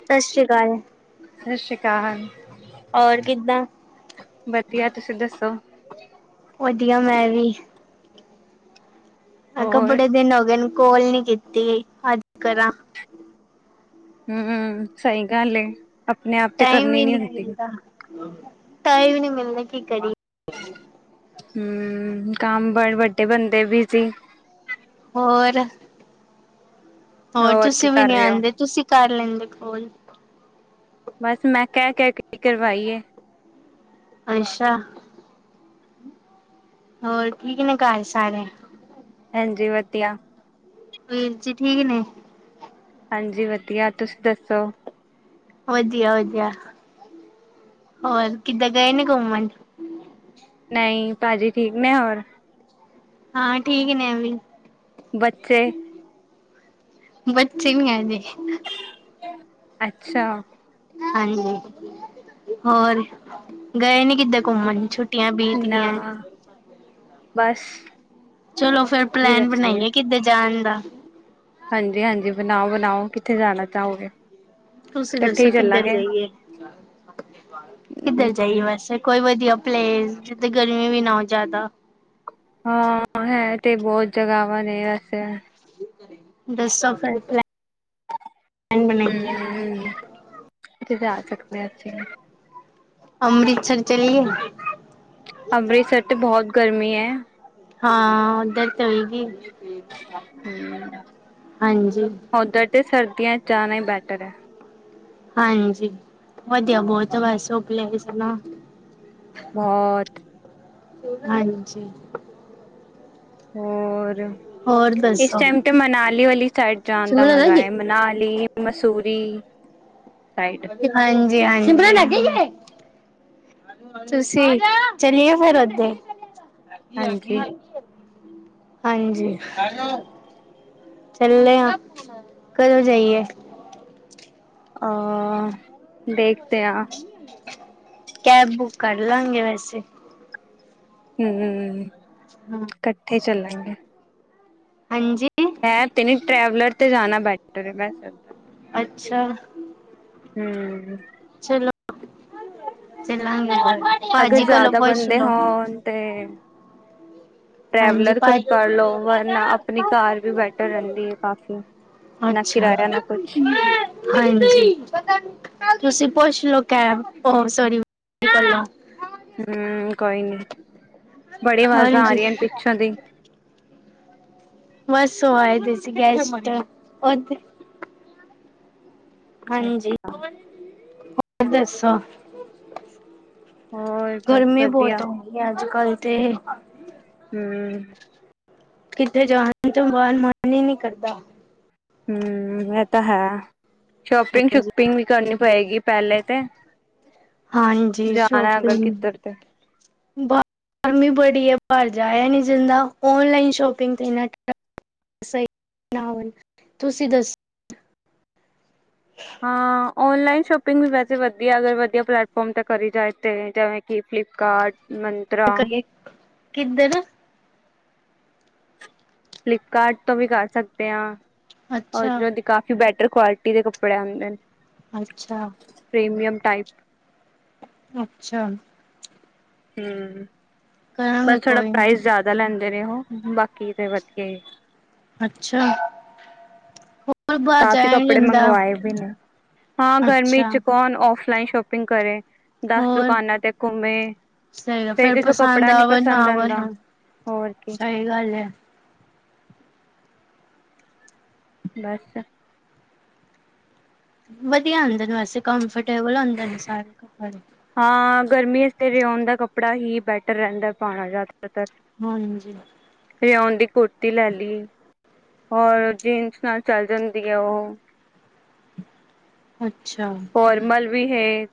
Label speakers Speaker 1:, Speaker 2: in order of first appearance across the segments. Speaker 1: ਸਤਿ ਸ੍ਰੀ ਅਕਾਲ।
Speaker 2: ਸਤਿ ਸ਼੍ਰੀ ਅਕਾਲ।
Speaker 1: ਹੋਰ ਕਿੱਦਾਂ
Speaker 2: ਵਧੀਆ ਤੁਸੀਂ ਦੱਸੋ
Speaker 1: ਵਧੀਆ ਮੈਂ ਵੀ ਮੈ ਕੇਆ
Speaker 2: ਹੋਰ
Speaker 1: ਬੜੇ ਦਿਨ ਹੋ ਗਏ ਕੋਲ ਨੀ ਕੀਤੀ--ਅੱਜ ਕਰਾਂ
Speaker 2: ਹਮ ਸਹੀ ਗੱਲ -ਏ-ਆਪਣੇ ਆਪ ਤੇ
Speaker 1: ਟਾਈਮ
Speaker 2: ਕਰਨੀ
Speaker 1: ਹੀ
Speaker 2: ਨੀ
Speaker 1: ਨਹੀਂ
Speaker 2: ਹੁੰਦੀ
Speaker 1: ਮਿਲਦਾ ਟਾਈਮ ਵੀ ਨਹੀਂ ਮਿਲਦਾ ਕੀ ਕਰੀਏ ਹ [unintelligible]
Speaker 2: ਹਮ ਕੰਮ ਬ ਵੱਡੇ ਬੰਦੇ ਵੀ ਸੀ
Speaker 1: ਹੋਰ ਹੋਰ
Speaker 2: ਕੀ
Speaker 1: ਤੁਸੀਂ ਵੀ
Speaker 2: ਕਰ
Speaker 1: ਨੀ
Speaker 2: ਰਹੇ ਹੋ
Speaker 1: ਆਉਂਦੇ ਤੁਸੀਂ ਕਰ ਲੈਂਦੇ ਕੋੋਲ
Speaker 2: ਬਸ ਮੈਂ ਕਹਿ ਕਹਿ ਕੇ ਕਾਰਵਾਈ -ਏ-
Speaker 1: ਅੱਛਾ। ਹੋਰ, ਠੀਕ ਨੇ ਘਰ ਸਾਰੇ।
Speaker 2: ਹਾਂਜੀ, ਵਧੀਆ।
Speaker 1: ਵੀਰ ਜੀ, ਠੀਕ ਨੇ?
Speaker 2: ਹਾਂਜੀ, ਵਧੀਆ ਤੁਸੀਂ ਦੱਸੋ।
Speaker 1: ਵਧੀਆ, ਵਧੀਆ। ਹੋਰ ਕਿੱਦੈ ਗਏ ਨੀਂ ਘੁੰਮਣ?
Speaker 2: ਨਈਂ, ਭਾਜੀ ਠੀਕ ਨੇ ਹੋਰ।
Speaker 1: ਹਾਂ, ਠੀਕ ਨੇ ਓ ਵੀ
Speaker 2: ਬੱਚੇ?
Speaker 1: ਬੱਚੇ ਨੀਂ ਆਏ ਦੇ
Speaker 2: ਅੱਛਾ
Speaker 1: ਹਾਂਜੀ, ਹੋਰ ਗਏ ਨੀਂ ਕਿੱਦੇ ਘੁੰਮਣ? ਛੁੱਟੀਆਂ ਬੀਤ
Speaker 2: ਨਾ
Speaker 1: ਗੀਆਂ ਐ।
Speaker 2: ਬਸ।
Speaker 1: ਚਲੋ ਫੇਰ
Speaker 2: ਕੀ
Speaker 1: ਪਲੈਨ
Speaker 2: ਦੱਸੀਏ
Speaker 1: ਬਣਾਈਏ, ਕਿੱਦੇ ਜਾਣ ਦਾ।
Speaker 2: ਹਾਂਜੀ-ਹਾਂਜੀ, ਬਨਾਓ-ਬਨਾਓ, ਕਿੱਥੇ ਜਾਣਾ ਚਾਹੋਗੇ?
Speaker 1: ਤੁਸੀਂ
Speaker 2: ਇਕੱਠੇ ਹੀ
Speaker 1: ਦੱਸੋ ਕਿੱਧਰ
Speaker 2: ਚੱਲਾਂਗੇ
Speaker 1: ਜਾਈਏ? ਕਿੱਧਰ ਜਾਈਏ
Speaker 2: ਹਮ
Speaker 1: ਵੇਸੇ? ਕੋਈ ਵਧੀਆ ਪਲੇਸ, ਜਿੱਥੇ ਗਰਮੀ ਵੀ ਨਾਂ ਹੋ ਜ਼ਿਆਦਾ।
Speaker 2: ਹਾਂ, ਹੈ ਤੇ ਬੋਤ ਜਗ੍ਹਾਵਾਂ ਨੇ ਵੈਸੇ।
Speaker 1: ਦੱਸੌ ਫੇਰ ਪਲੈ
Speaker 2: ਹਂ, ਕਿਥੇ ਜਾ ਸਕਦੇ ਆਂ ਅਸੀਂ?
Speaker 1: ਅੰਮ੍ਰਿਤਸਰ ਚੱਲੀਏ?
Speaker 2: ਅੰਮ੍ਰਿਤਸਰ ਤੇ ਬਹੁਤ ਗਰਮੀ ਏ।
Speaker 1: ਹਾਂ, ਓਧਰ ਤੇ ਹੋਏਗੀ।
Speaker 2: ਹਂ,
Speaker 1: ਹਾਂਜੀ।
Speaker 2: ਉਧਰ ਤੇ ਸਰਦੀਆਂ ਚ ਜਾਣਾ ਈ ਬੈਟਰ ਏ।
Speaker 1: ਹਾਂਜੀ, ਵਧੀਆ ਬਹੁਤ ਵੇਸੇ ਓ ਪਲੇਸ ਨਾਂ
Speaker 2: ਬੋਹਤ।
Speaker 1: ਹਾਂਜੀ।
Speaker 2: ਹੋਰ।
Speaker 1: ਹੋਰ
Speaker 2: ਇਸ
Speaker 1: ਦੱਸੋ?
Speaker 2: ਟਾਈਮ ਤੇ ਮਨਾਲੀ ਵਾਲੀ ਸਾਈਡ ਤੇ ਜਾਣ ਦਾ ਮਜ਼ਾ
Speaker 1: ਹਾਂਜੀ
Speaker 2: ਐ। ਮਨਾਲੀ ਮਸੂਰੀ। ਸਾਈਡ
Speaker 1: ਹਾਂਜੀ-ਹਾਂਜੀ। ਸਿਮਰਨ ਅੱਗੇ ਈ ਏ। ਤੁਸੀਂ ਚਲੀਏ ਫਿਰ ਓਦੇ
Speaker 2: ਹਾਂਜੀ
Speaker 1: ਹਾਂਜੀ। ਚੱਲੇ ਆਂ, ਕਦੋਂ ਜਾਈਏ।
Speaker 2: ਅ, ਦੇਖਤੇ ਆਂ।
Speaker 1: ਕੈਬ ਬੁੱਕ ਕਰ ਲਾਂਗੇ ਵੈਸੇ
Speaker 2: ਹਂ,
Speaker 1: ਹਾਂ।
Speaker 2: ਕੱਠੇ ਚੱਲਾਂਗੇ।
Speaker 1: ਹਾਂਜੀ
Speaker 2: ਕੈਬ ਤੇ ਨੀਂ, ਟਰੈਵਲਰ ਤੇ ਜਾਣਾ ਬੈਟਰ ਹੈਗਾ ਐ।
Speaker 1: ਅੱਛਾ।
Speaker 2: ਹਂ।
Speaker 1: ਚਲੋ, ਚੱਲਾਂਗੇ ਕਲ
Speaker 2: ਅਗਰ ਜ਼ਿਆਦਾ ਬੰਦੇ ਹੋਣ ਤੇ
Speaker 1: ਹਾਂਜੀ
Speaker 2: ਟਰੈਵਲਰ ਕ
Speaker 1: ਭਾ
Speaker 2: ਕਰ ਲੋ, ਵਰਨਾ ਆਪਣੀ ਕਾਰ ਵੀ ਬੈਟਰ ਰੈਂਦੀ ਐ ਕਾਫੀ। ਨਾ
Speaker 1: ਅੱਛਾ।
Speaker 2: ਕਿਰਾਇਆ, ਨਾ ਕੁਛ।
Speaker 1: ਹਾਂਜੀ, ਤੁਸੀਂ ਪੁੱਛ ਲੋ ਕੈਬ, ਓ ਸੋਰੀ [unintelligible]
Speaker 2: ਹੂੰ ਕੋਈ ਨੀ, ਬੜੀ ਅਵਾਜ਼ਾਂ ਆ
Speaker 1: ਹਾਂਜੀ,
Speaker 2: ਰੀਆਂ ਨੇ ਪਿੱਛੋਂ ਦੀ।
Speaker 1: ਬਸ, ਓ ਆਏ ਦੇ ਸੀ ਗੈਸਟ ਕੱਦ। [unintelligible] ਹਾਂਜੀ,
Speaker 2: ਅੱਛਾ
Speaker 1: ਹੋਰ ਦੱਸੋ?
Speaker 2: ਹੋਰ ਬਸ
Speaker 1: ਗਰਮੀ
Speaker 2: ਵਧੀਆ
Speaker 1: ਬੋਤ ਹੋ ਗਈ ਏ ਅੱਜ-ਕੱਲ੍ਹ ਤੇ।
Speaker 2: ਹੂੰ।
Speaker 1: ਕਿੱਥੇ ਜਾਨ 'ਚ ਬਾਰ ਮਨ ਈ ਨੀ ਕਰਦਾ।
Speaker 2: ਹੂੰ, ਐ ਤਾਂ ਹੈ। ਸ਼ੋਪਿੰਗ-ਸ਼ੁਪਿੰਗ ਵੀ ਕਰਨੀ ਪਏਗੀ, ਪਹਿਲੇ ਤੇ
Speaker 1: ਹਾਂਜੀ,
Speaker 2: ਜਾਨੈ ਐ, ਅਗਰ ਕਿੱਧਰ ਤੇ?
Speaker 1: ਬਾ ਆਰਮੀ ਬੜੀ ਏ, ਬਾਰ ਜਾਇਆ ਨੀ ਜਾਂਦਾ, ਔਨਲਾਈਨ ਸ਼ੋਪਿੰਗ ਤੇ ਨੈਟ ਟ ਸਹੀ ਨਾ ਹੋਵਨ, ਤੁਸੀਂ ਦੱਸੋ।
Speaker 2: ਹਾਂ, ਔਨਲਾਈਨ ਸ਼ੋਪਿੰਗ ਵੀ ਵੈਸੇ ਵਦੀਆ, ਅਗਰ ਵਦੀਆ ਪਲੈਟਫੋਰਮ 'ਤੇ ਕਰੀ ਜਾਏ ਤੇ ਜਿਵੇਂ ਕੇ, ਫਲਿਪਕਾਰਟ, ਮੰਨ
Speaker 1: 'ਤੇ ਕਰੀਏ, ਕਿੱਧਰ?
Speaker 2: ਫਲਿੱਪਕਾਰਟ ਤੋਂ ਵੀ ਕਰ ਸਕਦੇ ਆਂ,
Speaker 1: ਅੱਛਾ
Speaker 2: ਓਧਰੋਂ ਦੀ ਕਾ ਕੇ ਬੈਟਰ ਕੁਆਲਿਟੀ ਦੇ ਕੱਪੜੇ ਆਂਦੇ ਨ।
Speaker 1: ਅੱਛਾ।
Speaker 2: Premium type.
Speaker 1: ਅੱਛਾ।
Speaker 2: ਹੂੰ, ਬਸ
Speaker 1: ਕਰਾਂਗੇ
Speaker 2: ਥੋੜਾ
Speaker 1: ਕੋਈ ਨੀ
Speaker 2: ਪ੍ਰਾਈਜ਼ ਜਾਦਾ ਲੈਂਦੇ ਨੇ ਓ, ਬਾਕੀ ਤੇ ਵਦੀਆ ਈ।
Speaker 1: ਅੱਛਾ, ਓ।
Speaker 2: ਕਾਫੀ ਕੱਪੜੇ ਮੰਗਵਾਏ ਵੀ ਨੇ, ਹਾਂ। ਗਰਮੀ
Speaker 1: ਅੱਛਾ
Speaker 2: 'ਚ ਕੋਨ ਔਫ ਫਲਾਈਨ ਸ਼ੋਪਿੰਗ ਕਰੇ। ਦਸ
Speaker 1: ਹੋਰ
Speaker 2: ਦੁਕਾਨਾਂ ਤੇ ਘੁੰਮੇ,
Speaker 1: ਸਹੀ
Speaker 2: ਫੇਰ ਕਿਥੋ
Speaker 1: ਪਸੰਦ
Speaker 2: ਕੱਪੜਾ ਨੀ
Speaker 1: ਆਵਣ ਨਾ
Speaker 2: ਪਸੰਦ ਆਂਦਾ।
Speaker 1: ਆਵਣ
Speaker 2: ਹੋਰ ਕੀ।
Speaker 1: ਸਹੀ ਗੱਲ ਏ।
Speaker 2: ਬਸ।
Speaker 1: ਵਦੀਆ ਹੁੰਦੇ ਵੈਸੇ ਕੰਫਰਟੇਬਲ ਹੁੰਦੇ ਸਾਰੇ ਕੱਪੜੇ।
Speaker 2: ਹਾਂ, ਗਰਮੀਆ 'ਚ 'ਤੇ ਰਿਓਨ ਦਾ ਕੱਪੜਾ ਹੀ ਬੈਟਰ ਰੈਂਦਾ, ਪਾਨਾ ਜ਼ਿਆਦਾਤਰ।
Speaker 1: ਹਾਂਜੀ।
Speaker 2: ਰਿਓਨ ਦੀ ਕੁੜਤੀ ਲੈ ਲੀ। ਹੋਰ ਜੀਨਸ ਨਾਲ ਚੱਲ ਜਾਂਦੀ ਏ ਉਹ।
Speaker 1: ਅੱਛਾ।
Speaker 2: ਫੋਰਮਲ ਵੀ ਹੈ।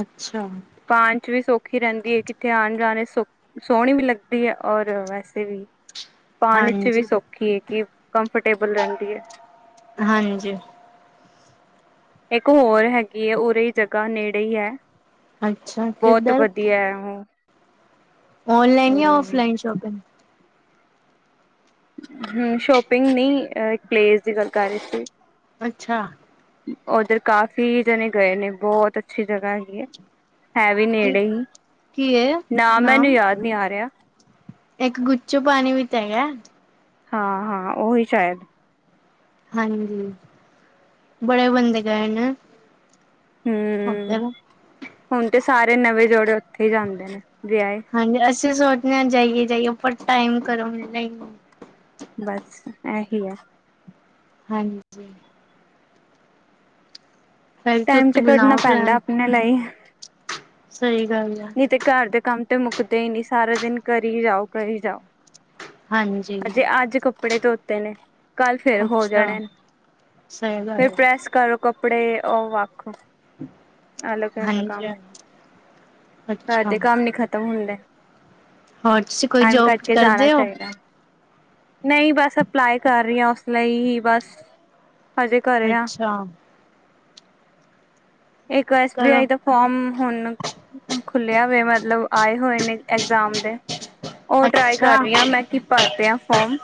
Speaker 1: ਅੱਛਾ।
Speaker 2: ਪਾਨ 'ਚ ਵੀ ਸੌਖੀ ਰੈਂਦੀ ਏ, ਕਿੱਥੇ ਆਨ- ਜਾਨ 'ਚ ਸੌਖ ਸੋਹਣੀ ਵੀ ਲੱਗਦੀ ਐ, ਔਰ ਵੈਸੇ ਵੀ ਪਾਨ 'ਚ ਵੀ
Speaker 1: ਹਾਂਜੀ
Speaker 2: ਸੌਖੀ ਏ, ਕਿ ਕੰਫਰਟੇਬਲ ਰੈਂਦੀ ਏ।
Speaker 1: ਹਾਂਜੀ।
Speaker 2: ਇੱਕ ਹੋਰ ਹੈਗੀ, ਉਰੇ ਦੀ ਜਗ੍ਹਾ, ਨੇੜੇ ਈ ਐ। ਬੋਤ ਵਧੀਆ ਐ ਉਹ।
Speaker 1: ਔਨਲਾਈਨ ਯਾ ਔਫਲਾਈਨ ਸ਼ੋਪਿੰਗ।
Speaker 2: ਹੂੰ, ਸ਼ੋਪਿੰਗ ਨੀ, ਅਹ ਪਲੇਸ ਦੀ ਗੱਲ ਕਰ ਰੇ ਸੀ।
Speaker 1: ਅੱਛਾ।
Speaker 2: ਓਧਰ ਕਾਫ਼ੀ ਜਨੇ ਗਏ ਨੇ ਬੋਤ ਅੱਛੀ ਜਗੈ। ਹੈ ਵੀ
Speaker 1: ਕੀ
Speaker 2: ਨੇੜੇ ਈ,
Speaker 1: ਕੀ ਏ
Speaker 2: ਨਾਂ ਮੈਨੂੰ
Speaker 1: ਨਾਮ
Speaker 2: ਯਾਦ ਨੀ ਆ ਰੇਆ।
Speaker 1: ਇੱਕ ਗੁੱਚੋ ਪਾਨੀ ਵੀ ਤੇ ਹੈਗੈ।
Speaker 2: ਹਾਂ-ਹਾਂ ਓਹੀ ਸ਼ਾਯਦ
Speaker 1: ਹਾਂਜੀ, ਬੜੇ ਬੰਦੇ ਗਏ ਨੇ ਓਧਰ
Speaker 2: ਹੁਨ ਤੇ ਸਾਰੇ ਨਵੇਂ ਜੋੜੇ ਓੱਥੇ ਈ ਜਾਂਦੇ ਨੇ ਵੇਆਏ
Speaker 1: ਹਾਂਜੀ, ਅਸੀ ਸੋਚਨੇ ਆਂ ਜਾਈਏ-ਜਾਈਏ ਪਰ ਟਾਈਮ ਘਰੋ ਨਈ
Speaker 2: ਬਾੱਸ ਐਹੀ ਐ।
Speaker 1: ਹਾਂਜੀ। ਫਿਰ
Speaker 2: ਟਾਈਮ
Speaker 1: ਤੁਸੀਂ
Speaker 2: ਤੇ
Speaker 1: ਬਣਾਓ
Speaker 2: ਕੱਢਨਾ ਪੈਂਦਾ ਆਪਨੇ ਲਈ।
Speaker 1: ਸਈ ਗਾੱਲ ਐ।
Speaker 2: ਨਈ ਤੇ ਘਾਰ ਦੇ ਕਾੰਮ ਤੇ ਮੁੱਕਦੇ ਈ ਨੀ, ਸਾਰਾ ਦਿਨ ਕਰੀ ਜਾਓ ਕਰੀ ਜਾਓ।
Speaker 1: ਹਾਂਜੀ
Speaker 2: ਅਜੇ ਆੱਜ ਕੱਪੜੇ ਧੋਤੇ ਨੇ। ਕਾੱਲ ਫੇਰ ਹੋ
Speaker 1: ਅੱਛਾ
Speaker 2: ਜਾਨੇਨ
Speaker 1: ਸਹੀ ਗੱਲ
Speaker 2: ਫੇਰ
Speaker 1: ਹੈ
Speaker 2: ਪ੍ਰੈਸ ਕਰੋ, ਕੱਪੜੇ ਓ ਵਾੱਖ
Speaker 1: [inaudible]
Speaker 2: ਅਲਗ ਹੈਗਾ ਕਾੰਮ,
Speaker 1: ਹਾਂਜੀ।
Speaker 2: ਘਾਰ
Speaker 1: ਅੱਛਾ
Speaker 2: ਦੇ ਕਾੰਮ ਨੀ ਖਤਮ ਹੁੰਦੇ।
Speaker 1: ਹੋਰ ਤੁਸੀਂ ਕੋਈ
Speaker 2: ਟਾਈਮ
Speaker 1: ਜੋਬ
Speaker 2: ਕਾੱਢ ਕੇ ਜਾਨਾ
Speaker 1: ਕਰਦੇ ਹੋ?
Speaker 2: ਚਾਈਦੈ। ਨਈ ਬਾੱਸ ਅਪਲਾਈ ਕਾਰ ਰੀ ਆ ਉਸ ਲਈ ਹੀ ਬਾੱਸ ਹਜੇ ਘਰੇ ਆ।
Speaker 1: [unintelligible]
Speaker 2: ਇੱਕ ਐਸ ਬੀ
Speaker 1: ਕਰੋ
Speaker 2: ਆਈ ਦਾ ਫੋਮ ਹੁਨ ਖੁੱਲੇਆ ਵੇ ਮਤਲਬ ਆਏ ਹੋਏ ਨੇ ਐਗਜ਼ਾਮ ਦੇ। ਓ ਟਰਾਈ ਕਾਰ
Speaker 1: ਅੱਛਾ।
Speaker 2: ਰੀ ਆਂ ਮੈਂ ਕਿ ਭਾਰਦੇਆਂ ਫੋਮ,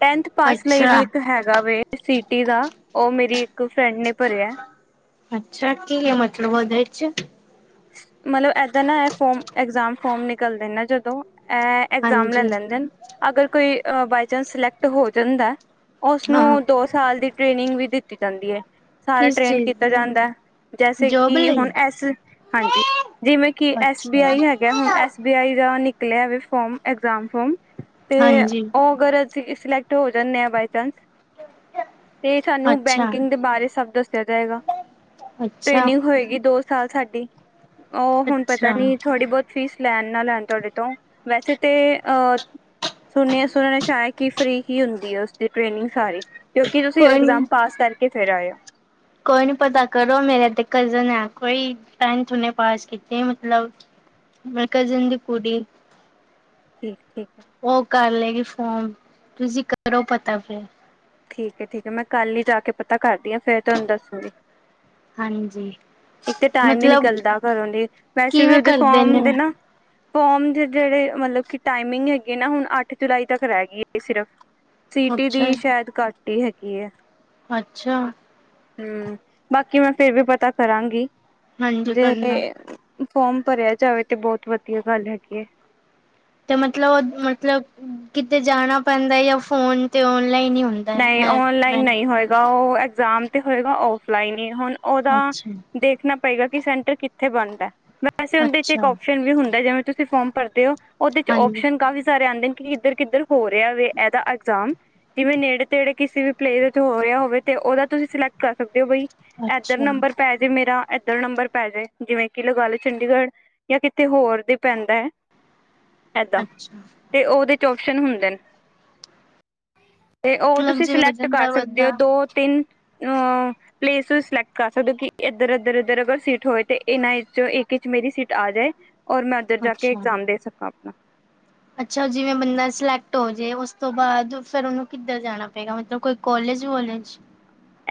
Speaker 2: ਟੈਂਥ ਪਾਸ ਲਈ
Speaker 1: ਅੱਛਾ
Speaker 2: ਵੀ ਇੱਕ ਹੈਗਾ ਵੇ। ਸਿਟੀ ਦਾ, ਓ ਮੇਰੀ ਇੱਕ ਫਰੈਂਡ ਨੇ ਭਰੇਐ।
Speaker 1: ਅੱਛਾ, ਕੀ ਏ ਮਤਲਬ ਓਦੇ ਚ?
Speaker 2: ਮਲਬ ਐਦਾ ਨਾ ਐ ਫੋਮ, ਐਗਜ਼ਾਮ ਫੋਮ ਨਿਕਲਦੇ ਨਾ ਜਦੋ ਐ ਐਗਜ਼ਾਮ ਲੈ
Speaker 1: ਹਾਂਜੀ
Speaker 2: ਲੈਂਦੇ ਨ ਅਗਰ ਕੋਈ ਬਾਏ ਚਾਂਸ ਸਿਲੈਕਟ ਹੋ ਜਾਂਦੈ
Speaker 1: ਹਾਂ
Speaker 2: ਓਸਨੂੰ ਦੋ ਸਾਲ ਦੀ ਟ੍ਰੇਨਿੰਗ ਵੀ ਦਿੱਤੀ ਜਾਂਦੀ ਏ। ਸਾਰਾ
Speaker 1: ਕਿਸ
Speaker 2: ਟ੍ਰੇਨ
Speaker 1: ਚੀਜ਼
Speaker 2: ਕੀਤਾ
Speaker 1: ਦੀ
Speaker 2: ਜਾਂਦੈ ਜੈਸੇ
Speaker 1: ਜੋਬ
Speaker 2: ਕਿ
Speaker 1: ਲਈ
Speaker 2: ਹੁਨ ਐਸ ਹਾਂਜੀ, ਜਿਵੇਂ ਕਿ ਐਸ ਬੀ
Speaker 1: ਅੱਛਾ
Speaker 2: ਆਈ ਹੈਗੈ ਹੁਨ ਐਸ ਵੀ ਆਈ ਦਾ ਨਿਕਲੇਆ ਵੇ ਫੋਮ, ਐਗਜ਼ਾਮ ਫੋਮ ਤੇ
Speaker 1: ਹਾਂਜੀ
Speaker 2: ਓ ਅਗਰ ਅਸੀ ਈ ਸਿਲੈਕਟ ਹੋ ਜਾਨੇ ਆਂ ਬਾਏ ਚਾਂਸ ਤੇ ਸਾਨੂੰ
Speaker 1: ਅੱਛਾ
Speaker 2: ਬੈਂਕਿੰਗ ਦੇ ਬਾਰੇ ਸਾੱਬ ਦੱਸੇਆ ਜਾਏਗਾ,
Speaker 1: ਅੱਛਾ
Speaker 2: ਟ੍ਰੇਨਿੰਗ ਹੋਏਗੀ ਦੋ ਸਾਲ ਸਾਡੀ, ਓ ਹੁਨ ਪਤਾ
Speaker 1: ਅੱਛਾ
Speaker 2: ਨੀ ਥੋੜੀ ਬੋਤ ਫੀਸ ਲੈਨ ਨਾ ਲੈਨ ਤੋਆਡੇ ਤੋਂ ਵੈਸੇ ਤੇ ਅ ਸੁਨੇਐ ਸੁਨਨ ਏਚ‌ ਆਯੈ ਕਿ ਫ੍ਰੀ ਹੀ ਹੁੰਦੀ ਐ ਉਸਦੀ ਟ੍ਰੇਨਿੰਗ ਸਾਰੀ। ਕਯੋਕਿ ਤੁਸੀ
Speaker 1: ਕੋਈ ਨੀ
Speaker 2: ਐਗਜ਼ਾਮ ਪਾਸ ਕਾਰਕੇ ਫੇਰ ਆਏ ਓ।
Speaker 1: ਕੋਈ ਨੀ ਪਤਾ ਕਰੋ ਮੇਰੇ ਤੇ ਕਜ਼ਨ ਹੈ ਕੋਈ, ਟੈਂਥ ਉਨੇ ਪਾਸ ਕੀਤੀ ਐ ਮਤਲਵ ਮੈਂ ਕਜ਼ਨ ਦੀ ਕੁੂੜੀ
Speaker 2: ਠੀਕ-ਠੀਕ ਐ।
Speaker 1: ਓ ਕਾਰ ਲੇ ਗੀ ਫੋਮ, ਤੁਸੀ ਕਰੋ ਪਤਾ ਫੇਰ
Speaker 2: ਠੀਕ ਐ ਠੀਕ ਐ ਮੈਂ ਕੱਲ ਈ ਜਾ ਕੇ ਪਤਾ ਕਾਰਦੀ ਆਂ ਫੇਰ ਤੋਆਨੂੰ ਦੱਸੂੰਗੀ।
Speaker 1: ਹਾਂਜੀ।
Speaker 2: ਏਕ ਤੇ ਟਾਈਮ ਨੀ
Speaker 1: ਮਤਲਬ
Speaker 2: ਨਿਕਲਦਾ ਘਰੋਂ ਦੀ, ਵੈਸੇ ਵੀ
Speaker 1: ਕਿਵੇਂ
Speaker 2: ਓਦੇ
Speaker 1: ਕਰਦੇ ਨੇ
Speaker 2: ਫੋਮ ਦੇ ਨਾ ਫੋਮ ਦੇ ਜੇੜੇ ਮਲਬ ਕਿ ਟਾਈਮਿੰਗ ਹੈਗੀ ਨਾ, ਹੁਨ ਅੱਠ ਜੁਲਾਈ ਤੱਕ ਰੈ ਗੀ ਏ ਸਿਰਫ। ਸੀਟੀ
Speaker 1: ਅੱਛਾ
Speaker 2: ਦੀ ਸ਼ੈਦ ਘੱਟ ਈ ਹੈਗੀ ਏ।
Speaker 1: ਅੱਛਾ।
Speaker 2: ਹੂੰ, ਬਾਕੀ ਮੈਂ ਫੇਰ ਵੀ ਪਤਾ ਕਰਾਂਗੀ
Speaker 1: ਹਾਂਜੀ
Speaker 2: ਜੇ
Speaker 1: ਕਰਨਾ
Speaker 2: ਫੋਮ ਭਰਿਆ ਜਾਵੇ ਤੇ ਬੋਤ ਵਦੀਆ ਗੱਲ ਹੈਗੀ ਐ।
Speaker 1: ਤੇ ਮਤਲਬ ਓ ਮਤਲਬ ਕਿਤੇ ਜਾਨਾ ਪੈਂਦਾ ਜਾਂ ਫੋਨ ਤੇ ਔਨਲਾਈਨ ਈ ਹੁੰ
Speaker 2: ਨਈਂ ਔਨਲਾਈਨ ਨਈਂ ਹੋਏਗਾ, ਓ ਐਗਜ਼ਾਮ ਤੇ ਹੋਏਗਾ ਔਫਲਾਈਨ ਈ ਹੁਨ ਓਦਾ
Speaker 1: ਅੱਛਾ
Speaker 2: ਦੇਖਨਾ ਪਏਗਾ ਕੇ ਸੈਂਟਰ ਕਿੱਥੇ ਬਨਦੈ, ਵੈਸੇ ਓਦੇ ਚ ਇੱਕ
Speaker 1: ਅੱਛਾ
Speaker 2: ਔਪਸ਼ਨ ਵੀ ਹੁੰਦਾ ਜਿਵੇਂ ਤੁਸੀਂ ਫੋਮ ਭਰਦੇ ਓਂ, ਓਦੇ ਚ
Speaker 1: ਹਾਂਜੀ
Speaker 2: ਓਪਸ਼ਨ ਕਾਫੀ ਸਾਰੇ ਆਂਦੇ ਨੇ ਕੀ ਇੱਦਰ ਕਿੱਦਰ ਹੋ ਰਿਆ ਵੇ ਏਦਾ ਅਗਜ਼ਾਮ ਜਿਵੇਂ ਨੇੜੇ ਜੇੜੇ ਕਿਸੇ ਵੀ ਪਲੇਵੇ ਤੇ ਹੋ ਰਿਆ ਹੋਵੇ ਤੇ ਓਦਾ ਤੁਸੀਂ ਸਿਲੈਕਟ ਕਰ ਸਕਦੇ ਹੋ, ਬਈ ਐਦਰ
Speaker 1: ਅੱਛਾ
Speaker 2: ਨੰਬਰ ਪੈ ਜੇ ਮੇਰਾ ਐਦਰ ਨੰਬਰ ਪੈ ਜੇ, ਜਿਵੇਂ ਕੀ ਲਗਾ ਲੋ ਚੰਡੀਗੜ ਜਾਂ ਕਿਤੇ ਹੋਰ ਦੇ ਪੈਂਦਾ ਐ, ਐਦਾਂ
Speaker 1: ਅੱਛਾ
Speaker 2: ਤੇ ਓਦੇ ਚ ਓਪਸ਼ਨ ਹੁੰਦੇ ਨੇ। ਤੇ ਓ
Speaker 1: ਮਤਲਬ
Speaker 2: ਤੁਸੀਂ
Speaker 1: ਜਿਵੇਂ ਹੋ
Speaker 2: ਸਿਲੈਕਟ ਕਰ
Speaker 1: ਜਾਂਦਾ
Speaker 2: ਸਕਦੇ ਓਂ,
Speaker 1: ਬੰਦਾ
Speaker 2: ਦੋ-ਤਿੰਨ ਅ ਪਲੇਸੀਸ ਸਿਲੈਕਟ ਕਰ ਸਕਦੇ ਓਂ ਕੇ ਏਦਰ-ਏਦਰ-ਏਦਰ ਅਗਰ ਸੀਟ ਹੋਏ ਤੇ ਏਨਾਂ ਵਿਚੋਂ ਇਕ ਵਿਚ ਮੇਰੀ ਸੀਟ ਆ ਜਾਏ। ਔਰ ਮੈਂ ਓਦਰ ਜਾ ਕੇ
Speaker 1: ਅੱਛਾ
Speaker 2: ਇਗਜ਼ਾਮ ਦੇ ਸਕਾਂ ਆਪਨਾ।
Speaker 1: ਅੱਛਾ ਜਿਵੇਂ ਬੰਦਾ ਸਿਲੈਕਟ ਹੋਜੇ ਉਸ ਤੋਂ ਬਾਦ ਫੇਰ ਓਨੂੰ ਕਿੱਦਰ ਜਾਨਾ ਪਏਗਾ ਮਤਲਬ ਕੋਈ ਕੋਲੇਜ ਵੋਲੇਜ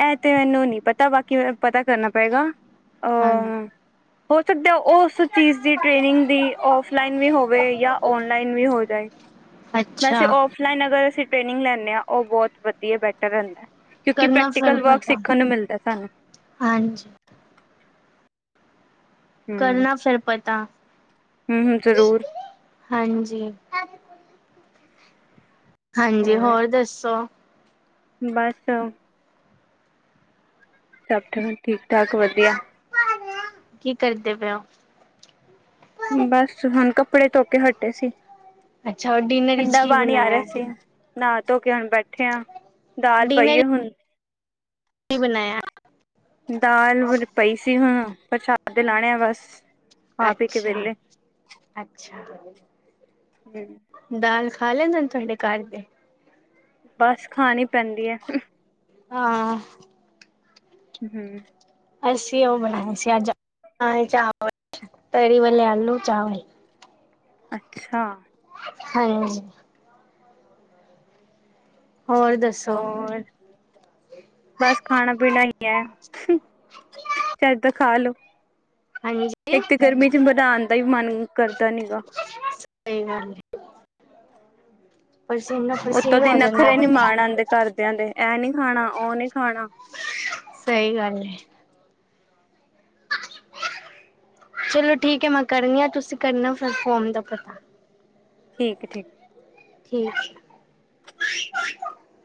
Speaker 2: ਐ ਤੇ ਮੈਨੂੰ ਨੀ ਪਤਾ ਬਾਕੀ ਮੈਂ ਪਤਾ ਕਰਨਾ ਪਏਗਾ।
Speaker 1: ਹਨ
Speaker 2: ਅ ਹੋ ਸਕਦਾ ਓਸ ਚੀਜ਼ ਦੀ ਟ੍ਰੇਨਿੰਗ ਦੀ ਔਫਲਾਈਨ ਵੀ ਹੋਵੇ ਜਾਂ ਔਨਲਾਈਨ ਵੀ ਹੋ ਤੇ
Speaker 1: ਅੱਛਾ।
Speaker 2: ਫਲੈਨ ਅਗਰ ਅਸੀ ਟ੍ਰੇਨਿੰਗ ਲੈਨੇ ਆ ਓ ਬੋਤ ਵਦੀਆ ਬੈਟਰ ਰੈਂਦਾ, ਕਿਓਂਕਿ‌ ਪ੍ਰੈਕ
Speaker 1: ਸਾਨੂੰ ਪਤਾ, ਹਾਂਜੀ। ਕਰਨਾ ਫਿਰ ਪਤਾ।
Speaker 2: ਹੂੰ-ਹੂੰ ਜ਼ਰੂਰ
Speaker 1: ਹਾਂਜੀ। ਹਾਂਜੀ, ਹੋਰ ਦੱਸੋ
Speaker 2: ਬੱਸ ਸਬ ਠਨੂੰ ਠੀਕ-ਠਾਕ ਵਦੀਆ।
Speaker 1: ਕੀ ਕਰਦੇ ਪਏ ਓਂ?
Speaker 2: ਬਸ ਹੁਨ ਕੱਪੜੇ ਧੋ ਕੇ ਹਟੇ ਸੀ।
Speaker 1: ਅੱਛਾ ਔਰ ਡਿਨਰ ਵਿੱਚ
Speaker 2: ਠੰਡਾ
Speaker 1: ਕੀ
Speaker 2: ਪਾਨੀ ਆ
Speaker 1: ਬਣਾਇਆ
Speaker 2: ਰਿਆ ਸੀ। ਨਾ ਧੋ ਕੇ ਹੁਨ ਬੈਠੇ ਆਂ, ਦਾਲ
Speaker 1: ਡਿਨਰ
Speaker 2: ਪਈਏ ਹੁਨ।
Speaker 1: ਕੀ ਬਨਾਇਆ?
Speaker 2: ਦਾਲ ਪਈ ਸੀ ਹੁਨ, ਪ੍ਰਸ਼ਾਦੇ ਲਾਨੇ ਆ ਬਸ।
Speaker 1: ਅੱਛਾ-ਅੱਛਾ।
Speaker 2: ਹੂੰ।
Speaker 1: ਦਾਲ ਖਾ ਲੈਂਦੇ ਨੇ ਥੋਡੇ ਘਰ ਦੇ।
Speaker 2: ਬਸ ਖਾਨੀ ਪੈਂਦੀ ਐ।
Speaker 1: ਹਾਂ।
Speaker 2: ਹੂੰ।
Speaker 1: ਅਸੀਂ ਓ ਬਨਾਇਆ ਸੀ ਅੱਜ ਦਾਲ ਚਾਵਲ ਤਰੀ ਵਾਲੇੇ ਆਲੂ ਚਾਵਲ।
Speaker 2: ਅੱਛਾ।
Speaker 1: ਹੂੰ। ਹੋਰ ਦੱ
Speaker 2: ਹੋਰ ਬਸ ਖਾਣਾ ਪੀਣਾ ਈ ਐ ਚੱਜ ਦਾ ਖਾਲੋੋ।
Speaker 1: ਹਾਂਜੀ
Speaker 2: ਇੱਕ ਤਾਂ
Speaker 1: ਸਹੀ
Speaker 2: ਗਰਮੀ ਚ ਮਧਾਣ ਦਾ ਈ ਮਨ ਕਰਦਾ ਨੀ ਗਾ।
Speaker 1: ਸਈ ਗੱਲ ਏ। ਪਰਸੋਂ ਨੂੰ ਨਾ
Speaker 2: ਓਤੋਂ ਦੀ ਅੱਖਰੇ ਨੀ ਮਾਣ ਆਂਦੇ ਘਰਦਿਆਂ ਦੇ ਐ ਨੀ ਖਾਣਾ ਓ ਨੀ ਖਾਣਾ।
Speaker 1: ਸਈ ਗੱਲ ਏ। ਚਲੋ ਠੀਕ ਐ ਮੈਂ ਕਰਨੀ ਆ ਤੁਸੀਂ ਕਰਨਾ ਫਿਰ ਫੋਮ ਦਾ ਪਤਾ।
Speaker 2: ਠੀਕ-ਠੀਕ
Speaker 1: ਠੀਕ।